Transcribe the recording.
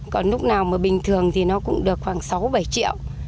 còn lúc nào mà bình thường thì nó cũng được khoảng sáu bảy triệu